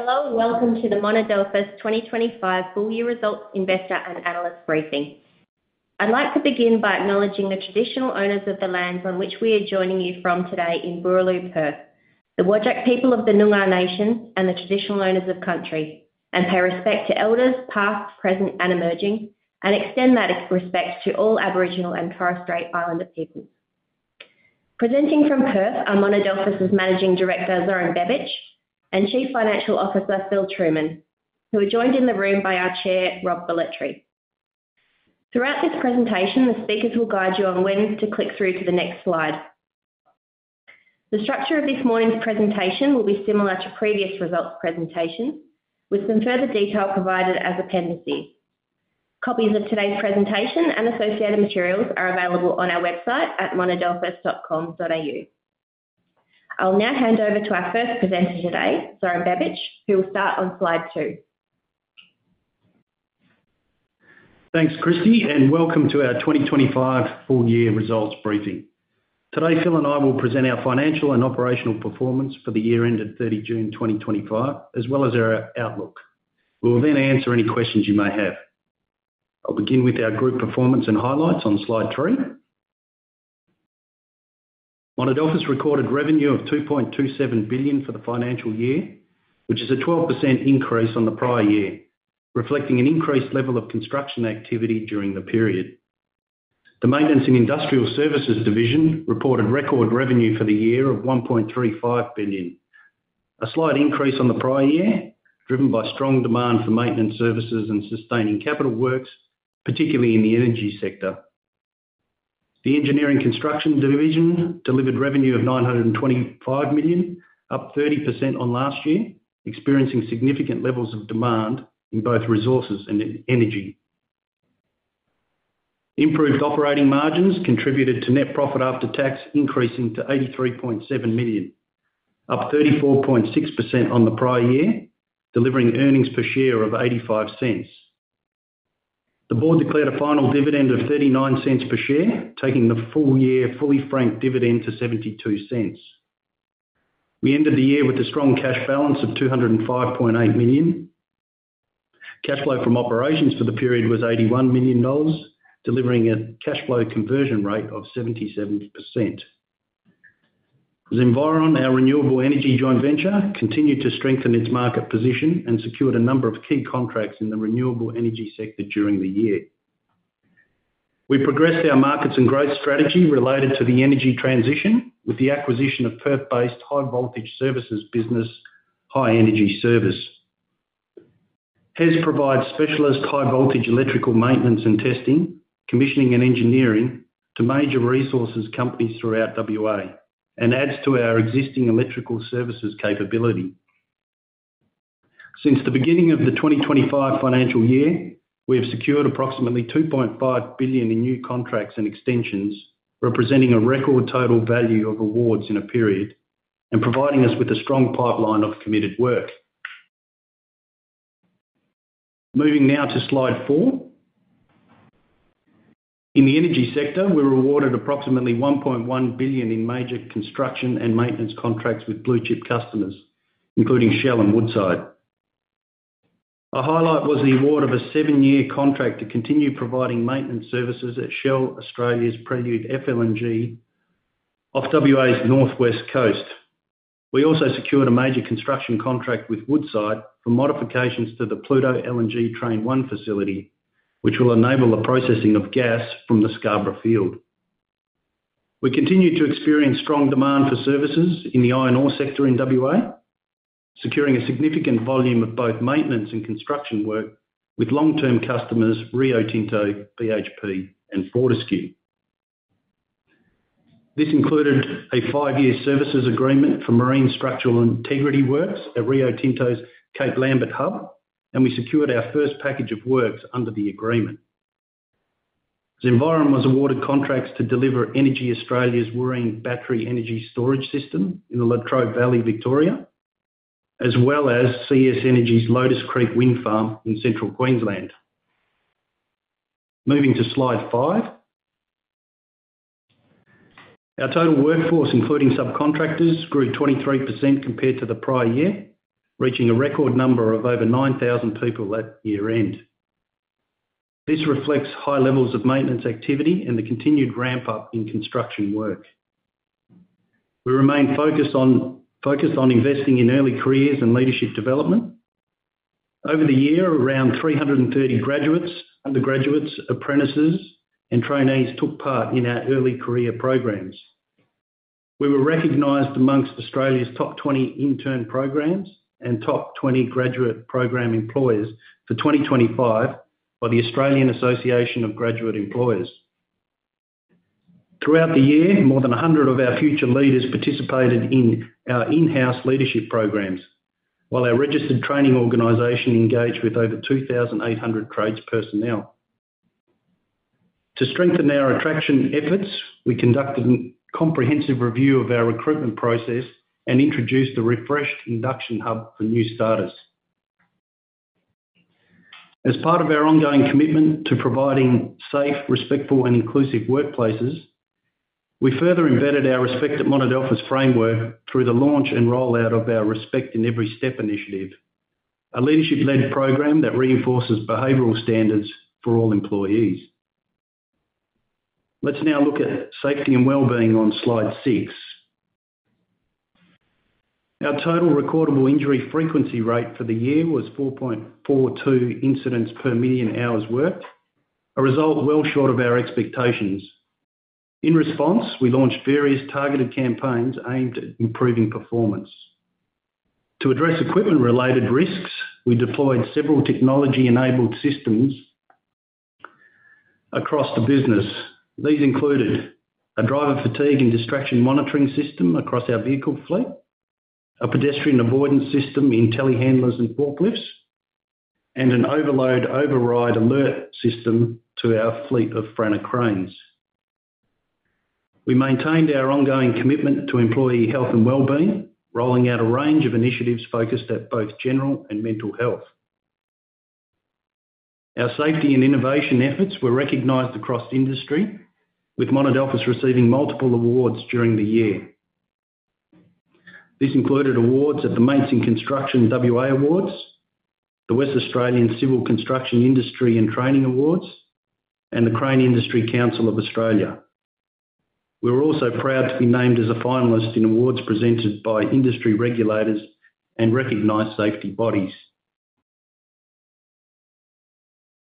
Hello and welcome to the Monadelphous 2025 Full-Year Results Investor and Analyst Briefing. I'd like to begin by acknowledging the traditional owners of the lands on which we are joining you from today in Boorloo, Perth, the Whadjuk people of the Noongar Nation, and the traditional owners of country, and pay respect to elders past, present, and emerging, and extend that respect to all Aboriginal and Torres Strait Islander peoples. Presenting from Perth are Monadelphous' Managing Director, Zoran Bebic, and Chief Financial Officer, Phil Trueman, who are joined in the room by our Chair, Rob Velletri. Throughout this presentation, the speakers will guide you on when to click through to the next slide. The structure of this morning's presentation will be similar to previous results presentations, with some further detail provided as appendices. Copies of today's presentation and associated materials are available on our website at monadelphous.com.au. I'll now hand over to our first presenter today, Zoran Bebic, who will start on slide two. Thanks, Kristy, and welcome to our 2025 full-year results briefing. Today, Phil and I will present our financial and operational performance for the year ended 30 June 2025, as well as our outlook. We'll then answer any questions you may have. I'll begin with our group performance and highlights on slide three. Monadelphous recorded revenue of 2.27 billion for the financial year, which is a 12% increase on the prior year, reflecting an increased level of construction activity during the period. The maintenance and industrial services division reported record revenue for the year of 1.35 billion, a slight increase on the prior year, driven by strong demand for maintenance services and sustaining capital works, particularly in the energy sector. The engineering construction division delivered revenue of 925 million, up 30% on last year, experiencing significant levels of demand in both resources and energy. Improved operating margins contributed to net profit after tax increasing to 83.7 million, up 34.6% on the prior year, delivering earnings per share of 0.85. The board declared a final dividend of 0.39 per share, taking the full year fully franked dividend to 0.72. We ended the year with a strong cash balance of 205.8 million. Cash flow from operations for the period was 81 million dollars, delivering a cash flow conversion rate of 77%. Zenviron, our renewable energy joint venture, continued to strengthen its market position and secured a number of key contracts in the renewable energy sector during the year. We progressed our markets and growth strategy related to the energy transition with the acquisition of Perth-based high-voltage services business, High Energy Service. HES provides specialist high-voltage electrical maintenance and testing, commissioning and engineering to major resources companies throughout W.A., and adds to our existing electrical services capability. Since the beginning of the 2025 financial year, we have secured approximately 2.5 billion in new contracts and extensions, representing a record total value of awards in a period, and providing us with a strong pipeline of committed work. Moving now to slide four. In the energy sector, we were awarded approximately 1.1 billion in major construction and maintenance contracts with blue-chip customers, including Shell and Woodside. A highlight was the award of a seven-year contract to continue providing maintenance services at Shell Australia's Prelude FLNG off W.A.'s northwest coast. We also secured a major construction contract with Woodside for modifications to the Pluto LNG train one facility, which will enable the processing of gas from the Scarborough field. We continue to experience strong demand for services in the iron ore sector in W.A., securing a significant volume of both maintenance and construction work with long-term customers Rio Tinto, BHP, and Fortescue. This included a five-year services agreement for marine structural integrity works at Rio Tinto's Cape Lambert harbour, and we secured our first package of works under the agreement. Zenviron was awarded contracts to deliver EnergyAustralia's Wooreen battery energy storage system in the Latrobe Valley, Victoria, as well as CS Energy's Lotus Creek wind farm in central Queensland. Moving to slide five, our total workforce, including subcontractors, grew 23% compared to the prior year, reaching a record number of over 9,000 people at year end. This reflects high levels of maintenance activity and the continued ramp-up in construction work. We remain focused on investing in early careers and leadership development. Over the year, around 330 graduates, undergraduates, apprentices, and trainees took part in our early career programs. We were recognized amongst Australia's top 20 intern programs and top 20 graduate program employers for 2025 by the Australian Association of Graduate Employers. Throughout the year, more than 100 of our future leaders participated in our in-house leadership programs, while our registered training organization engaged with over 2,800 trades personnel. To strengthen our attraction efforts, we conducted a comprehensive review of our recruitment process and introduced a refreshed induction hub for new starters. As part of our ongoing commitment to providing safe, respectful, and inclusive workplaces, we further embedded our Respect@Monadelphous framework through the launch and rollout of our Respect in Every Step initiative, a leadership-led program that reinforces behavioral standards for all employees. Let's now look at safety and wellbeing on slide six. Our total recordable injury frequency rate for the year was 4.42 incidents per million hours worked, a result well short of our expectations. In response, we launched various targeted campaigns aimed at improving performance. To address equipment-related risks, we deployed several technology-enabled systems across the business. These included a driver fatigue and distraction monitoring system across our vehicle fleet, a pedestrian avoidance system in telehandlers and forklifts, and an overload override alert system to our fleet of Franna cranes. We maintained our ongoing commitment to employee health and wellbeing, rolling out a range of initiatives focused at both general and mental health. Our safety and innovation efforts were recognized across industry, with Monadelphous receiving multiple awards during the year. This included awards at the Mason Construction W.A. Awards, the West Australian Civil Construction Industry and Training Awards, and the Crane Industry Council of Australia. We were also proud to be named as a finalist in awards presented by industry regulators and recognized safety bodies.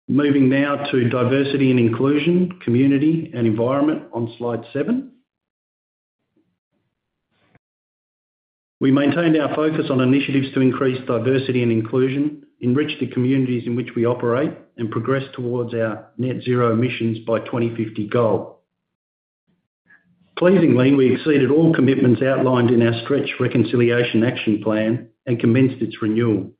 Moving now to diversity and inclusion, community, and environment on slide seven. We maintained our focus on initiatives to increase diversity and inclusion, enrich the communities in which we operate, and progress towards our net zero emissions by 2050 goal. Pleasingly, we exceeded all commitments outlined in our stretch reconciliation action plan and commenced its renewal.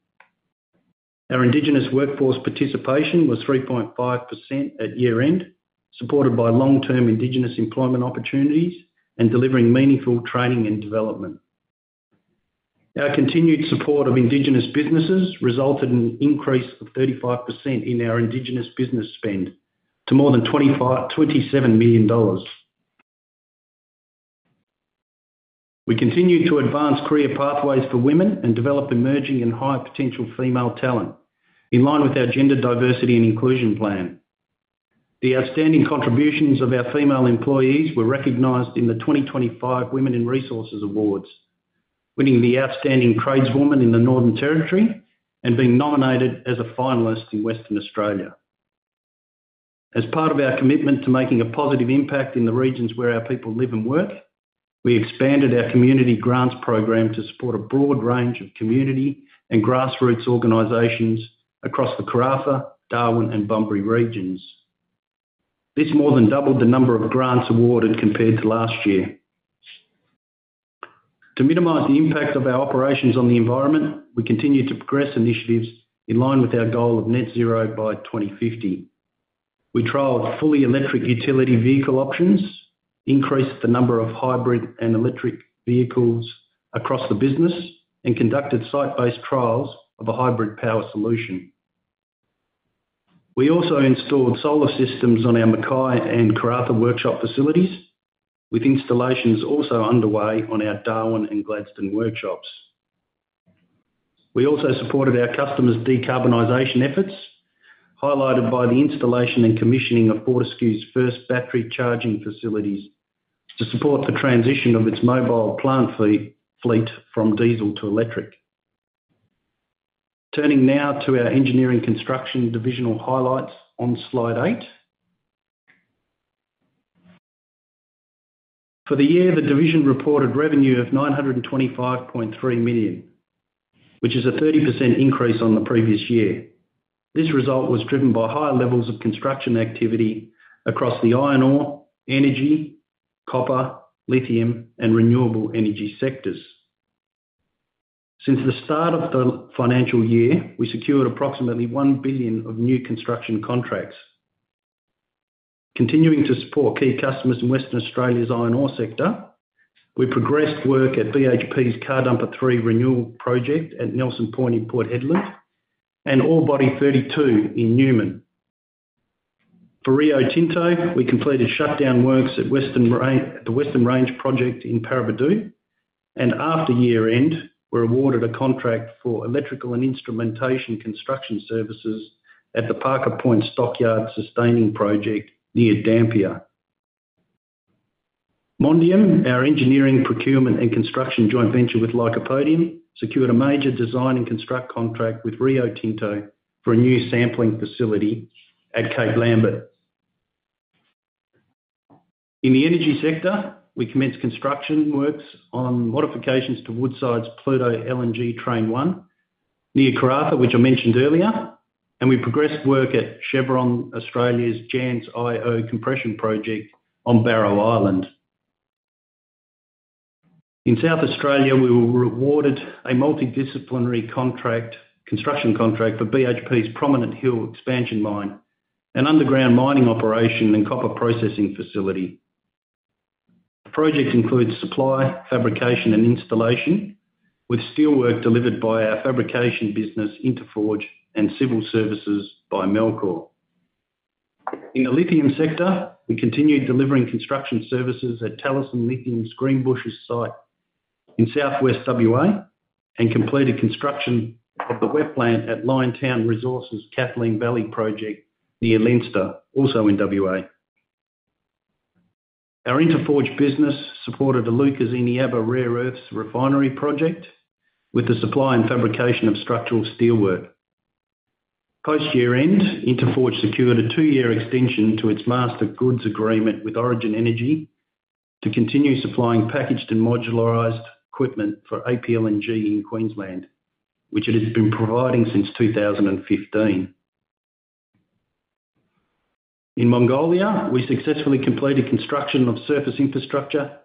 Our indigenous workforce participation was 3.5% at year end, supported by long-term indigenous employment opportunities and delivering meaningful training and development. Our continued support of indigenous businesses resulted in an increase of 35% in our indigenous business spend to more than 27 million dollars. We continued to advance career pathways for women and develop emerging and high-potential female talent in line with our gender diversity and inclusion plan. The outstanding contributions of our female employees were recognized in the 2025 Women in Resources Awards, winning the Outstanding Tradeswoman in the Northern Territory and being nominated as a finalist in Western Australia. As part of our commitment to making a positive impact in the regions where our people live and work, we expanded our community grants program to support a broad range of community and grassroots organizations across the Karratha, Darwin, and Bunbury regions. This more than doubled the number of grants awarded compared to last year. To minimize the impacts of our operations on the environment, we continued to progress initiatives in line with our goal of net zero by 2050. We trialled fully electric utility vehicle options, increased the number of hybrid and electric vehicles across the business, and conducted site-based trials of a hybrid power solution. We also installed solar systems on our Mackay and Karratha workshop facilities, with installations also underway on our Darwin and Gladstone workshops. We also supported our customers' decarbonisation efforts, highlighted by the installation and commissioning of Fortescue's first battery charging facilities to support the transition of its mobile plant fleet from diesel to electric. Turning now to our engineering construction divisional highlights on slide eight. For the year, the division reported revenue of 925.3 million, which is a 30% increase on the previous year. This result was driven by high levels of construction activity across the iron ore, energy, copper, lithium, and renewable energy sectors. Since the start of the financial year, we secured approximately 1 billion of new construction contracts. Continuing to support key customers in Western Australia's iron ore sector, we progressed work at BHP's Car Dumper 3 Renewal Project at Nelson Point in Port Hedland and Ore Body 32 in Newman. For Rio Tinto, we completed shutdown works at the Western Range project in Paraburdoo, and after year end, we were awarded a contract for electrical and instrumentation construction services at the Parker Point stockyard sustaining project near Dampier. Mondium, our engineering procurement and construction joint venture with Lycopodium, secured a major design and construct contract with Rio Tinto for a new sampling facility at Cape Lambert. In the energy sector, we commenced construction works on modifications to Woodside's Pluto LNG Train 1 near Karratha, which I mentioned earlier, and we progressed work at Chevron Australia's Jansz-Io compression project on Barrow Island. In South Australia, we were awarded a multidisciplinary construction contract for BHP's Prominent Hill expansion mine, an underground mining operation and copper processing facility. The project includes supply, fabrication, and installation, with steelwork delivered by our fabrication business Interforge and civil services by Melchor. In the lithium sector, we continued delivering construction services at Talison Lithium's Greenbushes site in southwest W.A. and completed construction of the wet plant at Liontown Resources' Kathleen Valley project near Leinster, also in W.A. Our Interforge business supported the Iluka Eneabba Rare Earths Refinery project with the supply and fabrication of structural steelwork. Post year end, Interforge secured a two-year extension to its Master Goods Agreement with Origin Energy to continue supplying packaged and modularized equipment for APLNG in Queensland, which it has been providing since 2015. In Mongolia, we successfully completed construction of surface infrastructure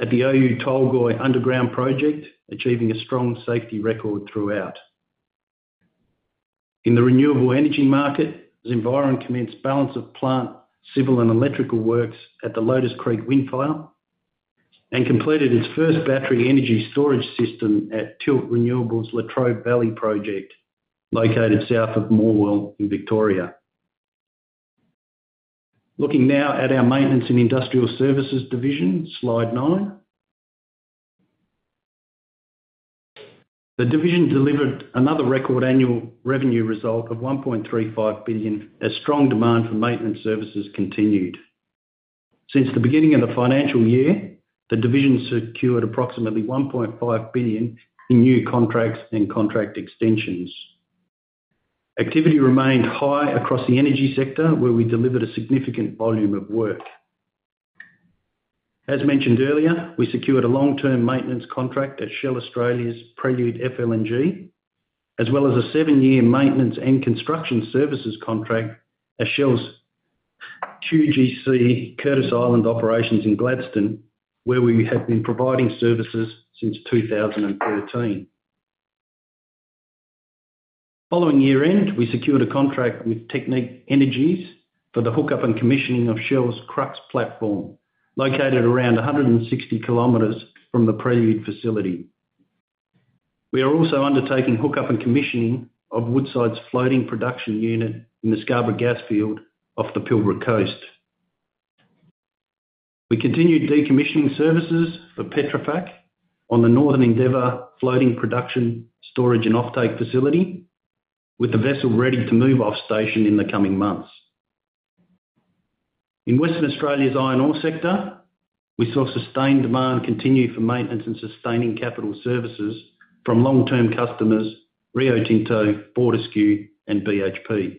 at the Oyu Tolgoi underground project, achieving a strong safety record throughout. In the renewable energy market, Zenviron commenced balance of plant, civil, and electrical works at the Lotus Creek wind farm and completed its first battery energy storage system at Tilt Renewables Latrobe Valley project, located south of Morwell in Victoria. Looking now at our maintenance and industrial services division, slide nine. The division delivered another record annual revenue result of 1.35 billion, as strong demand for maintenance services continued. Since the beginning of the financial year, the division secured approximately 1.5 billion in new contracts and contract extensions. Activity remained high across the energy sector, where we delivered a significant volume of work. As mentioned earlier, we secured a long-term maintenance contract at Shell Australia's Prelude FLNG, as well as a seven-year maintenance and construction services contract at Shell's QGC Curtis Island operations in Gladstone, where we have been providing services since 2013. Following year end, we secured a contract with Technip Energies for the hookup and commissioning of Shell's Crux platform, located around 160 km from the Prelude facility. We are also undertaking hookup and commissioning of Woodside's floating production unit in the Scarborough gas field off the Pilbara Coast. We continued decommissioning services for Petrofac on the Northern Endeavour floating production storage and offtake facility, with the vessel ready to move off station in the coming months. In Western Australia's iron ore sector, we saw sustained demand continue for maintenance and sustaining capital services from long-term customers Rio Tinto, Fortescue, and BHP.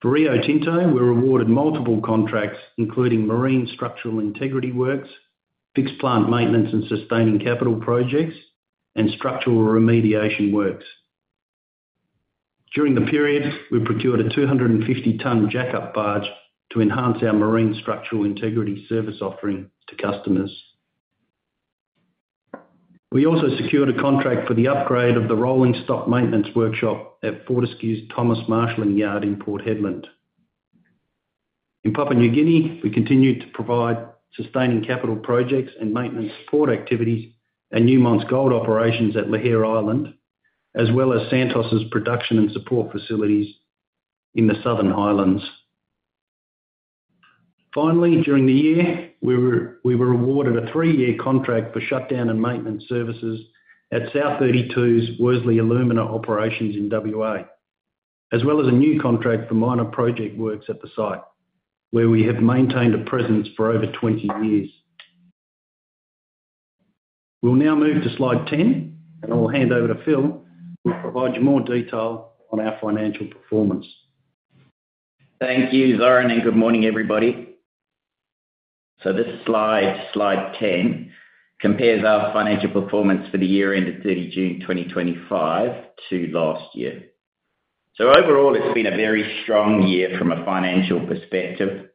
For Rio Tinto, we were awarded multiple contracts, including marine structural integrity works, fixed plant maintenance and sustaining capital projects, and structural remediation works. During the period, we procured a 250-ton jack-up barge to enhance our marine structural integrity service offering to customers. We also secured a contract for the upgrade of the rolling stock maintenance workshop at Fortescue's Thomas Marshalling Yard in Port Hedland. In Papua New Guinea, we continued to provide sustaining capital projects and maintenance forward activities at Newmont's gold operations at Lihir Island, as well as Santos's production and support facilities in the Southern Highlands. Finally, during the year, we were awarded a three-year contract for shutdown and maintenance services at South32's Worsley Alumina operations in W.A., as well as a new contract for minor project works at the site, where we have maintained a presence for over 20 years. We'll now move to slide 10, and I'll hand over to Phil, who will provide you more detail on our financial performance. Thank you, Zoran, and good morning, everybody. This slide, slide 10, compares our financial performance for the year ended 30 June 2025 to last year. Overall, it's been a very strong year from a financial perspective.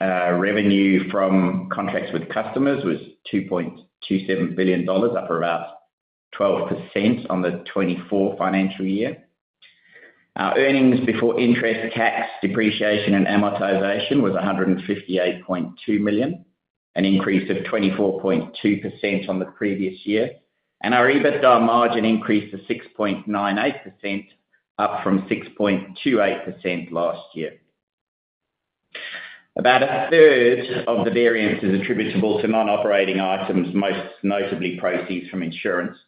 Revenue from contracts with customers was 2.27 billion dollars, up around 12% on the 2024 financial year. Our earnings before interest, depreciation, and amortization was 158.2 million, an increase of 24.2% on the previous year, and our EBITDA margin increased to 6.98%, up from 6.28% last year. About 1/3 of the variance is attributable to non-operating items, most notably proceeds from insurance,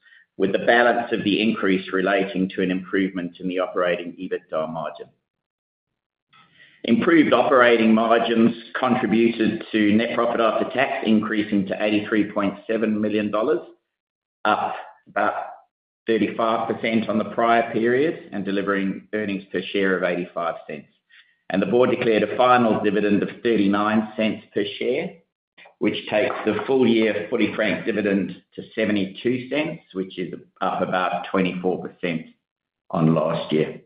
with the balance of the increase relating to an improvement in the operating EBITDA margin. Improved operating margins contributed to net profit after tax increasing to 83.7 million dollars, up about 35% on the prior period, and delivering earnings per share of 0.85. The board declared a final dividend of 0.39 per share, which takes the full year fully franked dividend to 0.72, which is up about 24% on last year.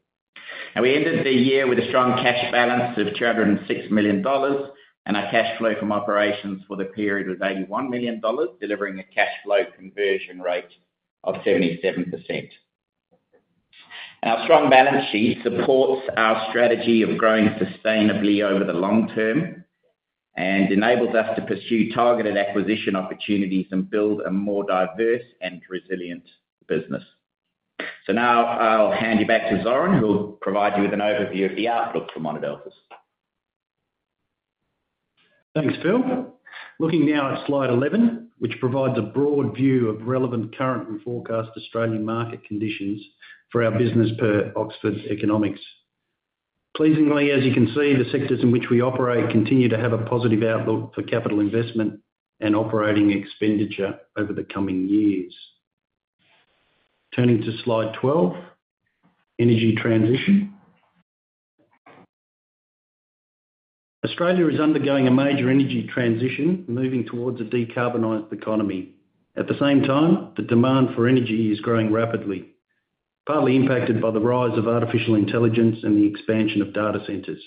We ended the year with a strong cash balance of 206 million dollars, and our cash flow from operations for the period was 81 million dollars, delivering a cash flow conversion rate of 77%. Our strong balance sheet supports our strategy of growing sustainably over the long term and enables us to pursue targeted acquisition opportunities and build a more diverse and resilient business. I'll hand you back to Zoran, who'll provide you with an overview of the outlook for Monadelphous. Thanks, Phil. Looking now at slide 11, which provides a broad view of relevant current and forecast Australian market conditions for our business per Oxford Economics. Pleasingly, as you can see, the sectors in which we operate continue to have a positive outlook for capital investment and operating expenditure over the coming years. Turning to slide 12, energy transition. Australia is undergoing a major energy transition, moving towards a decarbonized economy. At the same time, the demand for energy is growing rapidly, partly impacted by the rise of artificial intelligence and the expansion of data centers.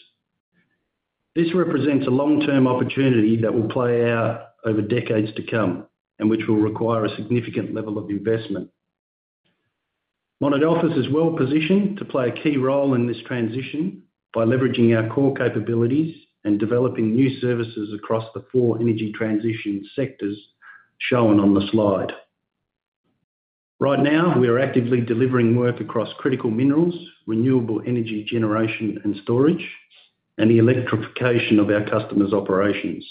This represents a long-term opportunity that will play out over decades to come and which will require a significant level of investment. Monadelphous is well positioned to play a key role in this transition by leveraging our core capabilities and developing new services across the four energy transition sectors shown on the slide. Right now, we are actively delivering work across critical minerals, renewable energy generation and storage, and the electrification of our customers' operations.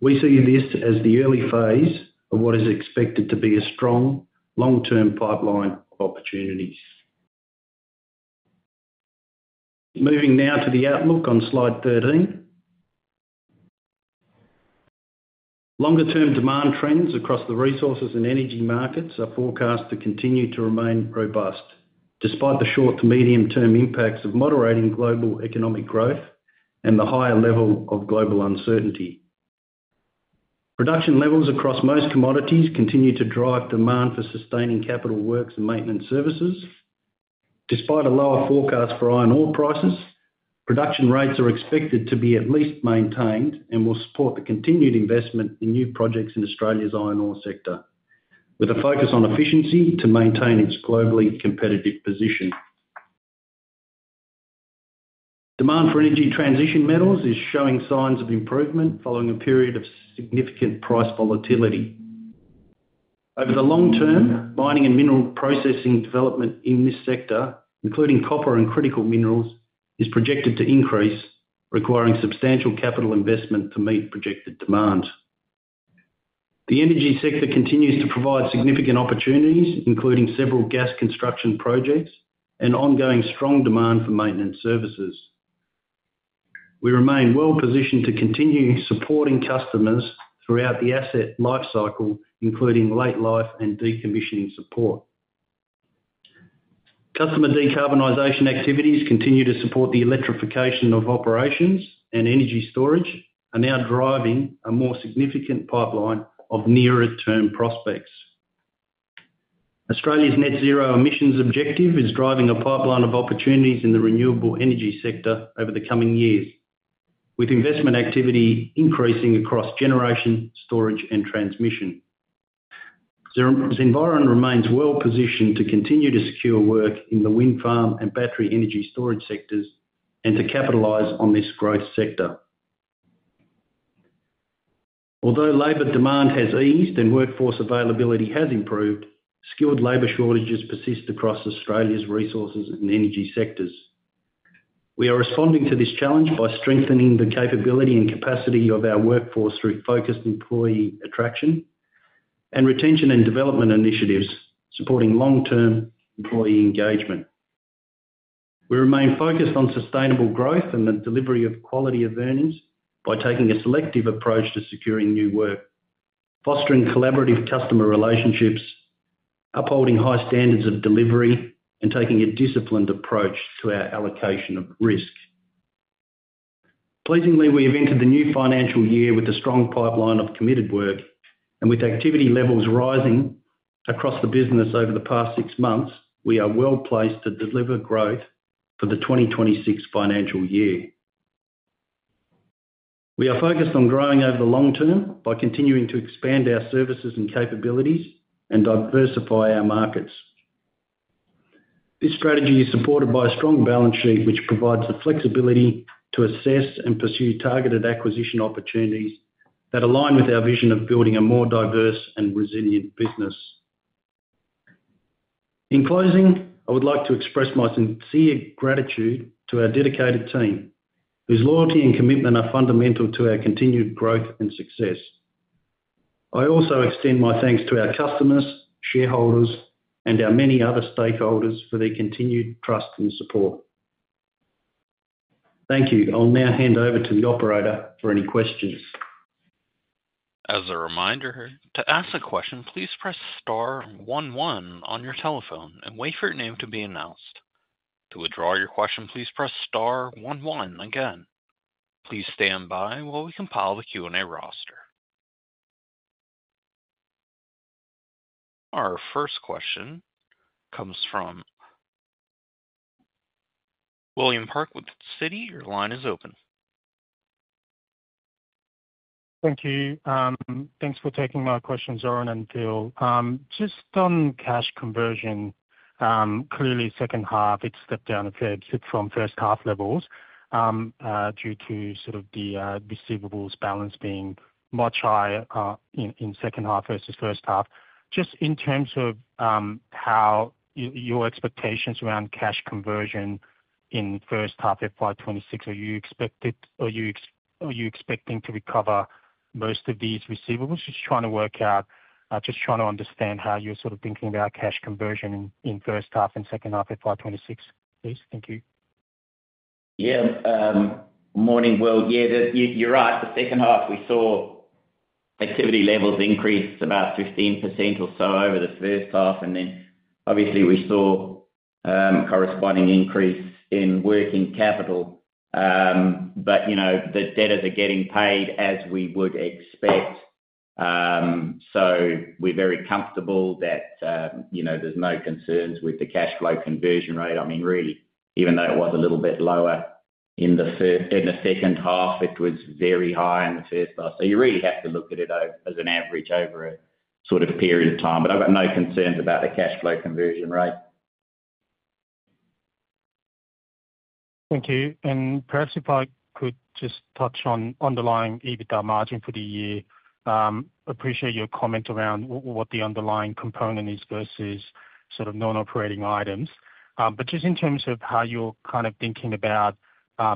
We see this as the early phase of what is expected to be a strong long-term pipeline of opportunities. Moving now to the outlook on slide 13. Longer-term demand trends across the resources and energy markets are forecast to continue to remain robust, despite the short to medium-term impacts of moderating global economic growth and the higher level of global uncertainty. Production levels across most commodities continue to drive demand for sustaining capital works and maintenance services. Despite a lower forecast for iron ore prices, production rates are expected to be at least maintained and will support the continued investment in new projects in Australia's iron ore sector, with a focus on efficiency to maintain its globally competitive position. Demand for energy transition metals is showing signs of improvement following a period of significant price volatility. Over the long term, mining and mineral processing development in this sector, including copper and critical minerals, is projected to increase, requiring substantial capital investment to meet projected demand. The energy sector continues to provide significant opportunities, including several gas construction projects and ongoing strong demand for maintenance services. We remain well positioned to continue supporting customers throughout the asset lifecycle, including late life and deconditioning support. Customer decarbonisation activities continue to support the electrification of operations and energy storage and are now driving a more significant pipeline of nearer term prospects. Australia's net zero emissions objective is driving a pipeline of opportunities in the renewable energy sector over the coming years, with investment activity increasing across generation, storage, and transmission. Zenviron remains well positioned to continue to secure work in the wind farm and battery energy storage sectors and to capitalize on this growth sector. Although labor demand has eased and workforce availability has improved, skilled labor shortages persist across Australia's resources and energy sectors. We are responding to this challenge by strengthening the capability and capacity of our workforce through focused employee attraction and retention and development initiatives, supporting long-term employee engagement. We remain focused on sustainable growth and the delivery of quality of earnings by taking a selective approach to securing new work, fostering collaborative customer relationships, upholding high standards of delivery, and taking a disciplined approach to our allocation of risk. Pleasingly, we have entered the new financial year with a strong pipeline of committed work, and with activity levels rising across the business over the past six months, we are well placed to deliver growth for the 2026 financial year. We are focused on growing over the long term by continuing to expand our services and capabilities and diversify our markets. This strategy is supported by a strong balance sheet, which provides the flexibility to assess and pursue targeted acquisition opportunities that align with our vision of building a more diverse and resilient business. In closing, I would like to express my sincere gratitude to our dedicated team, whose loyalty and commitment are fundamental to our continued growth and success. I also extend my thanks to our customers, shareholders, and our many other stakeholders for their continued trust and support. Thank you. I'll now hand over to the operator for any questions. As a reminder, to ask a question, please press star one one on your telephone and wait for your name to be announced. To withdraw your question, please press star one one again. Please stand by while we compile the Q&A roster. Our first question comes from William Park, with Citi. Your line is open. Thank you. Thanks for taking my question, Zoran and Phil. Just on cash conversion, clearly second half, it's stepped down a fair bit from first half levels due to the receivables balance being much higher in second half versus first half. In terms of how your expectations around cash conversion in first half FY 2026, are you expecting to recover most of these receivables? Just trying to work out, just trying to understand how you're thinking about cash conversion in first half and second half FY 2026, please. Thank you. Yeah, morning. You're right. The second half, we saw activity levels increase about 15% or so over the first half, and obviously we saw a corresponding increase in working capital. You know the debtors are getting paid as we would expect, so we're very comfortable that you know there's no concerns with the cash flow conversion rate. I mean, really, even though it was a little bit lower in the second half, it was very high in the first half. You really have to look at it as an average over a sort of a period of time. I've got no concerns about the cash flow conversion rate. Thank you. Perhaps if I could just touch on underlying EBITDA margin for the year, I appreciate your comment around what the underlying component is versus sort of non-operating items. Just in terms of how you're kind of thinking about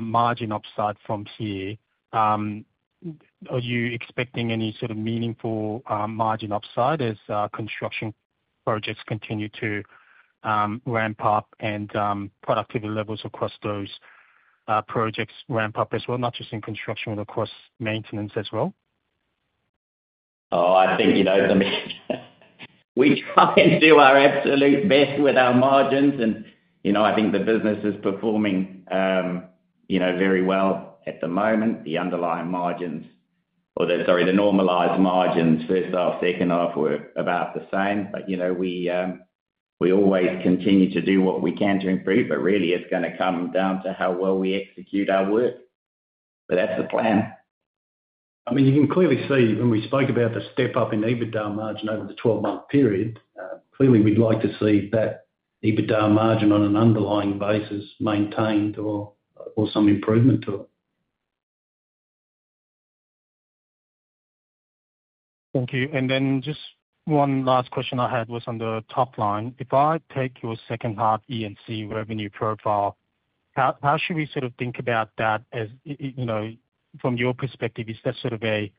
margin upside from here, are you expecting any sort of meaningful margin upside as construction projects continue to ramp up and productivity levels across those projects ramp up as well, not just in construction but across maintenance as well? Oh, I think, you know, we try and do our absolute best with our margins, and you know I think the business is performing very well at the moment. The underlying margins, or the, sorry, the normalized margins first half, second half were about the same. We always continue to do what we can to improve, but really it's going to come down to how well we execute our work. That's the plan. You can clearly see when we spoke about the step up in EBITDA margin over the 12-month period, clearly we'd like to see that EBITDA margin on an underlying basis maintained or some improvement to it. Thank you. Just one last question I had was on the top line. If I take your second half E&C revenue profile, how should we sort of think about that as, you know, from your perspective, is that sort of a,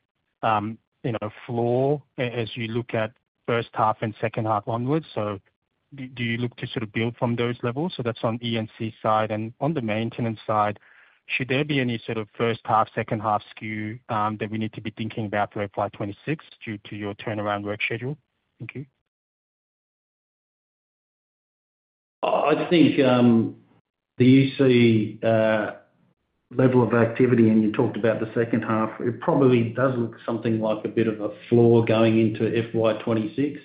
you know, floor as you look at first half and second half onwards? Do you look to sort of build from those levels? That's on E&C side. On the maintenance side, should there be any sort of first half, second half skew that we need to be thinking about for FY 2026 due to your turnaround work schedule? Thank you. I think the E&C level of activity, and you talked about the second half, it probably does look something like a bit of a floor going into FY 2026.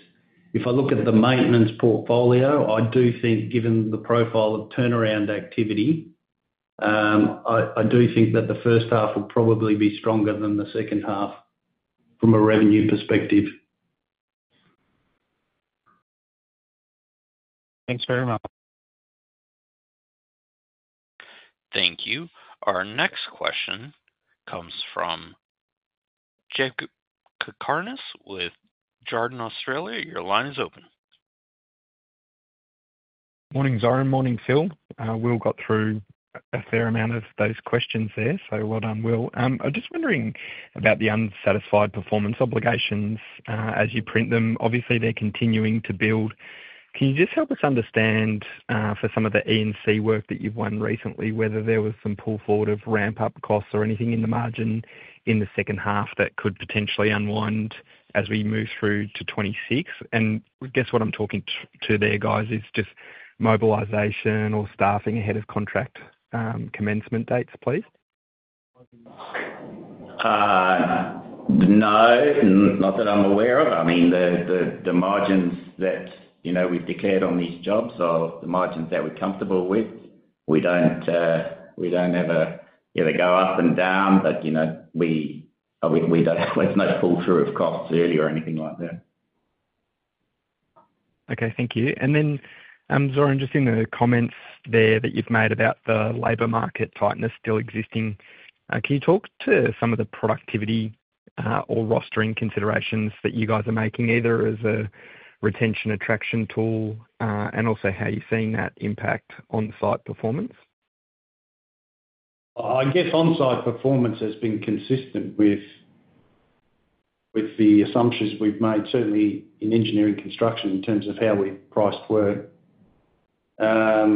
If I look at the maintenance portfolio, I do think given the profile of turnaround activity, I do think that the first half will probably be stronger than the second half from a revenue perspective. Thanks very much. Thank you. Our next question comes from Jack Karnis with Jarden Australia. Your line is open. Morning, Zoran. Morning, Phil. Will got through a fair amount of those questions there. Well done, Will. I'm just wondering about the unsatisfied performance obligations as you print them. Obviously, they're continuing to build. Can you just help us understand for some of the engineering construction work that you've won recently, whether there was some pull forward of ramp-up costs or anything in the margin in the second half that could potentially unwind as we move through to 2026? I guess what I'm talking to there, guys, is just mobilisation or staffing ahead of contract commencement dates, please? No, not that I'm aware of. I mean, the margins that, you know, we've declared on these jobs are the margins that we're comfortable with. We don't ever go up and down, but, you know, we don't have no pull through of costs really or anything like that. Okay, thank you. Zoran, just in the comments there that you've made about the labour market tightness still existing, can you talk to some of the productivity or rostering considerations that you guys are making either as a retention attraction tool, and also how you're seeing that impact on site performance? I guess onsite performance has been consistent with the assumptions we've made, certainly in engineering construction, in terms of how we've priced work. That's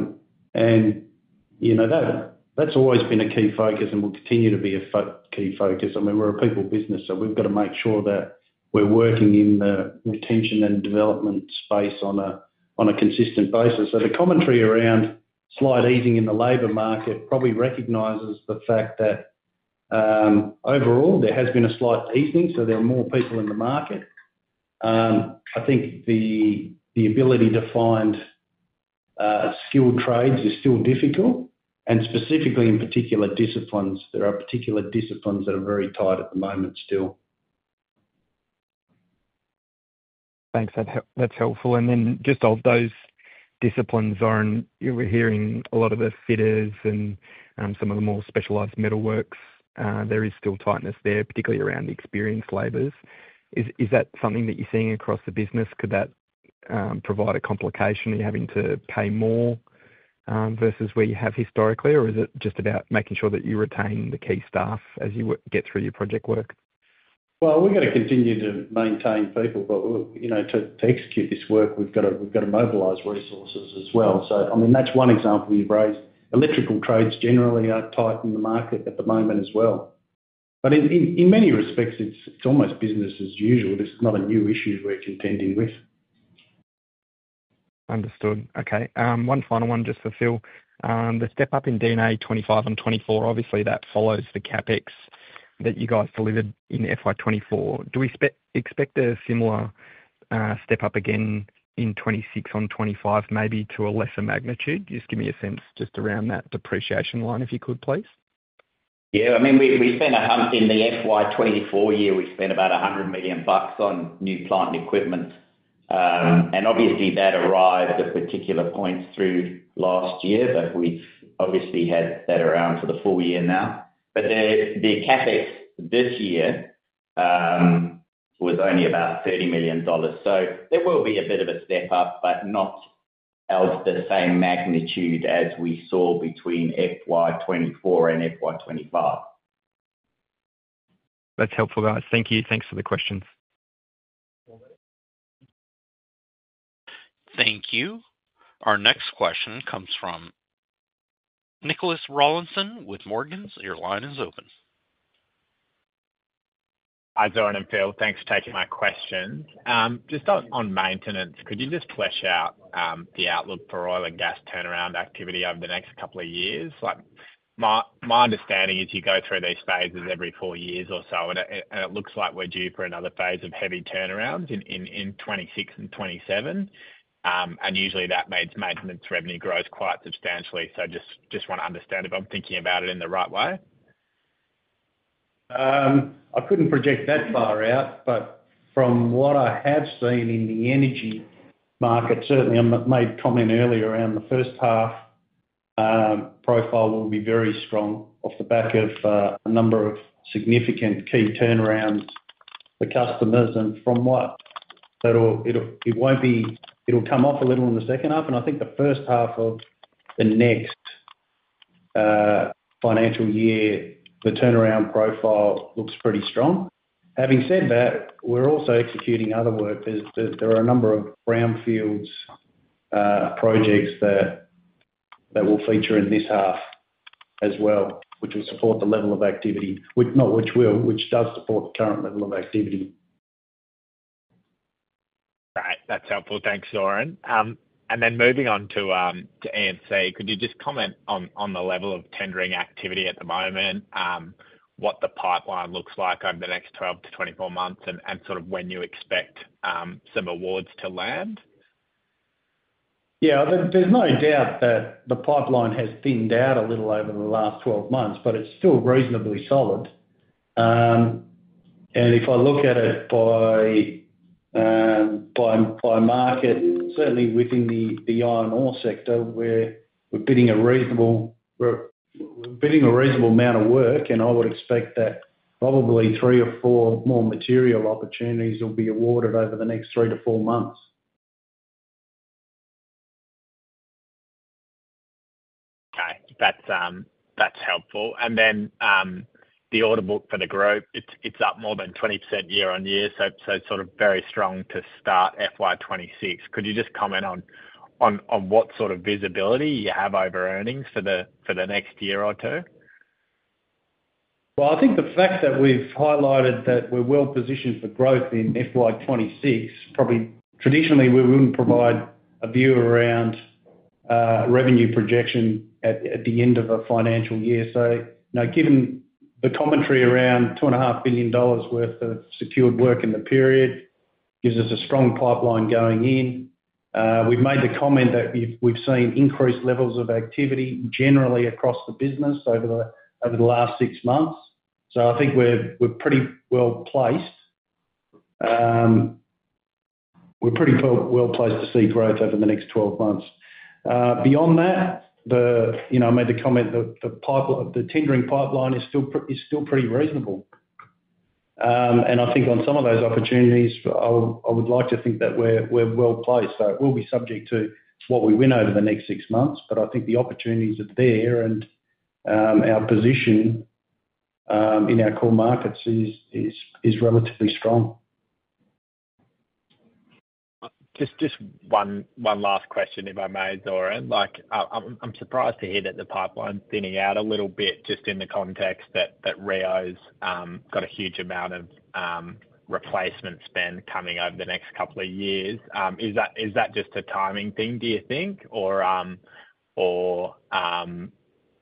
always been a key focus and will continue to be a key focus. I mean, we're a people business, so we've got to make sure that we're working in the retention and development space on a consistent basis. The commentary around slight easing in the labour market probably recognizes the fact that overall there has been a slight easing, so there are more people in the market. I think the ability to find skilled trades is still difficult, and specifically in particular disciplines, there are particular disciplines that are very tight at the moment still. Thanks, that's helpful. Of those disciplines, Zoran, we're hearing a lot of the fitters and some of the more specialized metal works. There is still tightness there, particularly around experienced labor. Is that something that you're seeing across the business? Could that provide a complication of you having to pay more versus where you have historically, or is it just about making sure that you retain the key staff as you get through your project work? We're going to continue to maintain people, but you know, to execute this work, we've got to mobilize resources as well. I mean, that's one example you've raised. Electrical trades generally are tight in the market at the moment as well. In many respects, it's almost business as usual. It's not a new issue we're contending with. Understood. Okay, one final one just for Phil. The step up in D&A 2025 and 2024, obviously that follows the CapEx that you guys delivered in FY 2024. Do we expect a similar step up again in 2026 on 2025, maybe to a lesser magnitude? Just give me a sense just around that depreciation line if you could, please. Yeah, I mean, we spent a hump in the FY 2024 year. We spent about 100 million bucks on new plant and equipment. Obviously, that arrived at particular points through last year that we've obviously had that around for the full year now. The CapEx this year was only about 30 million dollars. There will be a bit of a step up, but not of the same magnitude as we saw between FY 2024 and FY 2025. That's helpful, guys. Thank you. Thanks for the questions. Thank you. Our next question comes from Nicholas Rawlinson with Morgans. Your line is open. Hi, Zoran and Phil, thanks for taking my question. Just on maintenance, could you just flesh out the outlook for oil and gas turnaround activity over the next couple of years? My understanding is you go through these phases every four years or so, and it looks like we're due for another phase of heavy turnarounds in 2026 and 2027. Usually that leads to maintenance revenue growth quite substantially. Just want to understand if I'm thinking about it in the right way. I couldn't project that far out, but from what I have seen in the energy market, certainly I made comment earlier around the first half, profile will be very strong off the back of a number of significant key turnaround customers. From what it won't be, it'll come off a little in the second half. I think the first half of the next financial year, the turnaround profile looks pretty strong. Having said that, we're also executing other work. There are a number of brownfields projects that will feature in this half as well, which will support the level of activity, not which will, which does support the current level of activity. That's helpful. Thanks, Zoran. Moving on to E&C, could you just comment on the level of tendering activity at the moment, what the pipeline looks like over the next 12 to 24 months, and sort of when you expect some awards to land? Yeah, there's no doubt that the pipeline has thinned out a little over the last 12 months, but it's still reasonably solid. If I look at it by market, certainly within the iron ore sector, we're bidding a reasonable amount of work, and I would expect that probably three or four more material opportunities will be awarded over the next three to four months. Okay, that's helpful. The order book for the group is up more than 20% year on year, so sort of very strong to start FY 2026. Could you just comment on what sort of visibility you have over earnings for the next year or two? I think the fact that we've highlighted that we're well positioned for growth in FY 2026, probably traditionally we wouldn't provide a view around revenue projection at the end of a financial year. You know, given the commentary around 2.5 billion dollars worth of secured work in the period, it gives us a strong pipeline going in. We've made the comment that we've seen increased levels of activity generally across the business over the last six months. I think we're pretty well placed. We're pretty well placed to see growth over the next 12 months. Beyond that, you know, I made the comment that the tendering pipeline is still pretty reasonable. I think on some of those opportunities, I would like to think that we're well placed. It will be subject to what we win over the next six months, but I think the opportunities are there and our position in our core markets is relatively strong. Just one last question, if I may, Zoran. I'm surprised to hear that the pipeline is thinning out a little bit, just in the context that Rio's got a huge amount of replacement spend coming over the next couple of years. Is that just a timing thing, do you think, or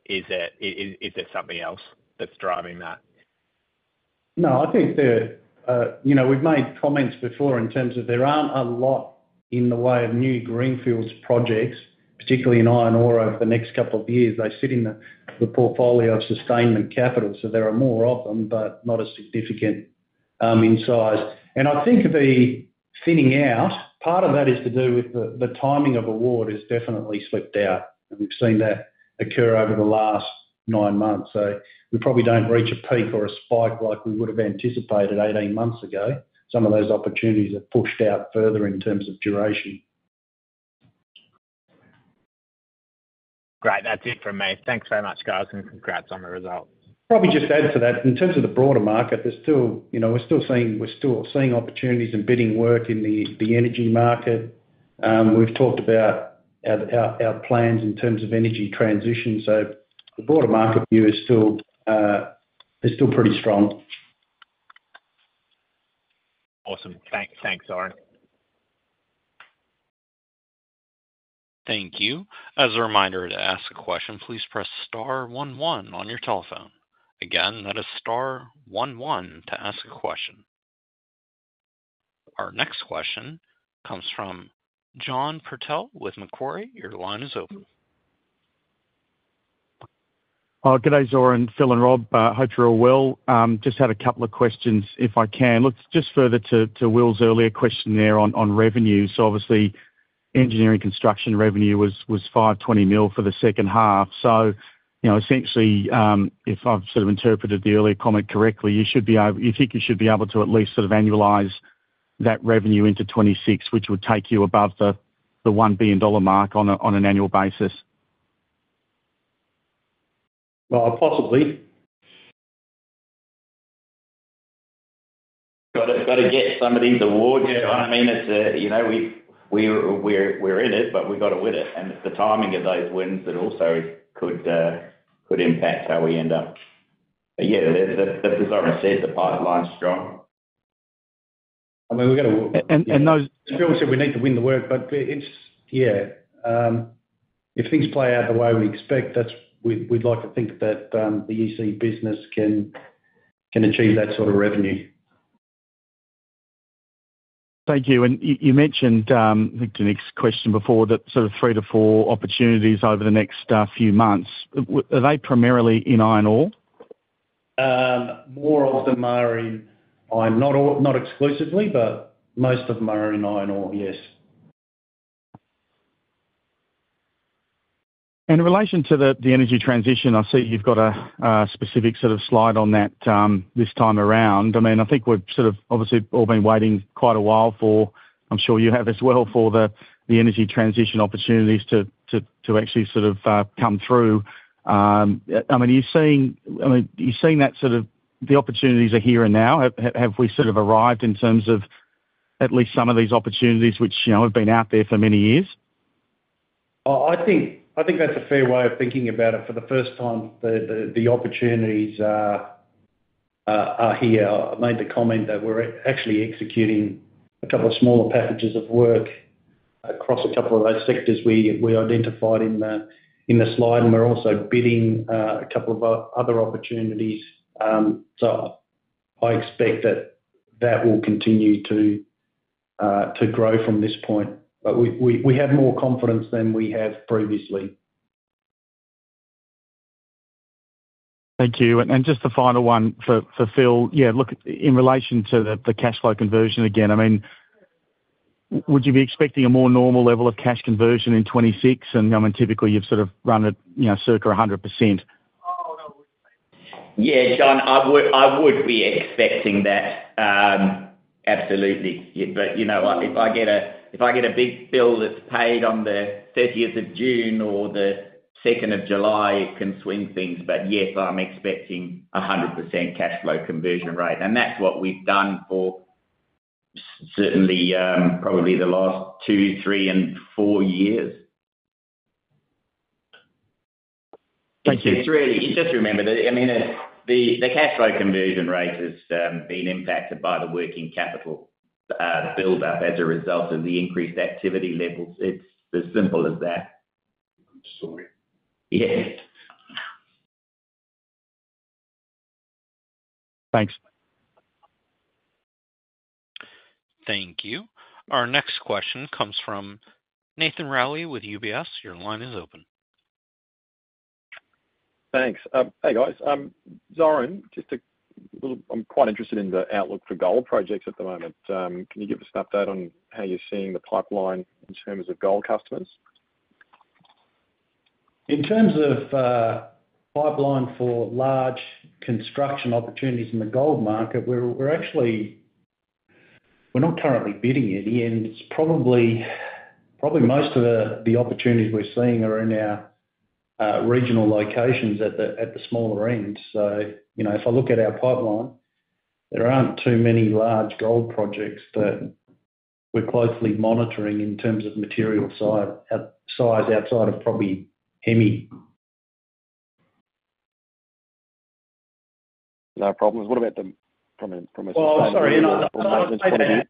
is there something else that's driving that? No, I think we've made comments before in terms of there aren't a lot in the way of new greenfields projects, particularly in iron ore, over the next couple of years. They sit in the portfolio of sustainment capital, so there are more of them, but not a significant size. I think the thinning out, part of that is to do with the timing of award, has definitely slipped out. We've seen that occur over the last nine months, so we probably don't reach a peak or a spike like we would have anticipated 18 months ago. Some of those opportunities are pushed out further in terms of duration. Great, that's it for me. Thanks very much, guys, and congrats on the results. Probably just add to that, in terms of the broader market, we're still seeing opportunities and bidding work in the energy market. We've talked about our plans in terms of energy transition, so the broader market view is still pretty strong. Awesome, thanks, Zoran. Thank you. As a reminder, to ask a question, please press star one one on your telephone. Again, that is star one one to ask a question. Our next question comes from John Patel with Macquarie. Your line is open. Good day, Zoran, Phil and Rob. Hi, Drew, Will. Just had a couple of questions, if I can. Look, just further to Will's earlier question there on revenue. Obviously, engineering construction revenue was 520 million for the second half. If I've sort of interpreted the earlier comment correctly, you think you should be able to at least sort of annualize that revenue into 2026, which would take you above the 1 billion dollar mark on an annual basis. Well, possibly. Got to get somebody to win. You know what I mean? We're in it, but we've got to win it. It's the timing of those wins that also could impact how we end up. Yeah, as I said, the pipeline's strong. I mean, we've got to... Bill said we need to win the work, but yeah, if things play out the way we expect, we'd like to think that the E&C business can achieve that sort of revenue. Thank you. You mentioned the next question before, that sort of three to four opportunities over the next few months. Are they primarily in iron ore? More of them are in iron, not exclusively, but most of them are in iron ore, yes. In relation to the energy transition, I see you've got a specific sort of slide on that this time around. I think we've obviously all been waiting quite a while for, I'm sure you have as well, for the energy transition opportunities to actually come through. You've seen that the opportunities are here and now. Have we arrived in terms of at least some of these opportunities, which you know have been out there for many years? I think that's a fair way of thinking about it. For the first time, the opportunities are here. I made the comment that we're actually executing a couple of smaller packages of work across a couple of those sectors we identified in the slide, and we're also bidding a couple of other opportunities. I expect that will continue to grow from this point, but we have more confidence than we have previously. Thank you. Just the final one for Phil. In relation to the cash flow conversion again, would you be expecting a more normal level of cash conversion in 2026? Typically you've sort of run it, you know, circa 100%. Yeah, John, I would be expecting that, absolutely. You know, if I get a big bill that's paid on the 30th of June or the 2nd of July, it can swing things. Yes, I'm expecting a 100% cash flow conversion rate. That's what we've done for certainly, probably the last two, three, and four years. Thank you. Just really, just remember that the cash flow conversion rate has been impacted by the working capital buildup as a result of the increased activity levels. It's as simple as that. Thanks. Thank you. Our next question comes from Nathan Reilly with UBS. Your line is open. Thanks. Hey guys, I'm Zoran, just a little, I'm quite interested in the outlook for gold projects at the moment. Can you give us an update on how you're seeing the pipeline in terms of gold customers? In terms of pipeline for large construction opportunities in the gold market, we're not currently bidding any, and it's probably most of the opportunities we're seeing are in our regional locations at the smaller end. If I look at our pipeline, there aren't too many large gold projects that we're closely monitoring in terms of material size outside of probably Hemi. No problems. What about the promise? I was just thinking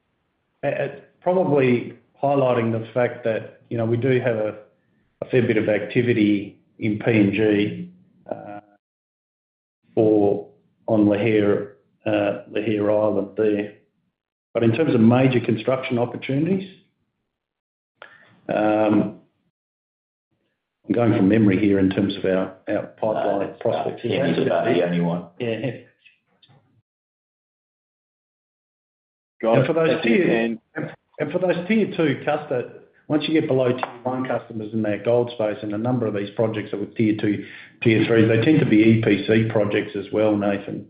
it's probably highlighting the fact that, you know, we do have a fair bit of activity in PNG or on Lihir Island there. In terms of major construction opportunities, I'm going from memory here in terms of our pipeline prospects. Yeah, it's about the only one. For those tier two, once you get below tier one customers in their gold space, and a number of these projects are with tier two, tier threes, they tend to be EPC projects as well, Nathan.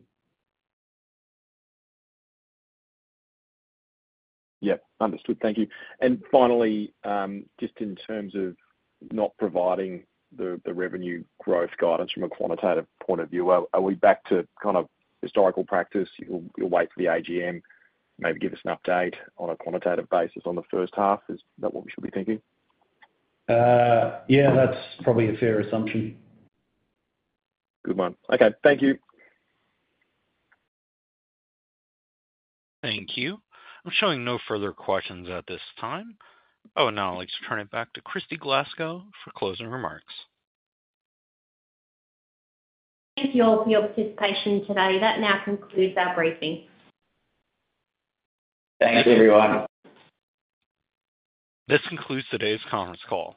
Yep, understood. Thank you. Finally, just in terms of not providing the revenue growth guidance from a quantitative point of view, are we back to kind of historical practice? You'll wait for the AGM, maybe give us an update on a quantitative basis on the first half? Is that what we should be thinking? Yeah, that's probably a fair assumption. Good one. Okay, thank you. Thank you. I'm showing no further questions at this time. I'll turn it back to Kristy Glasgow for closing remarks. Thank you all for your participation today. That now concludes our briefing. Thanks, everyone. This concludes today's conference call.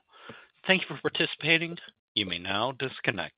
Thank you for participating. You may now disconnect.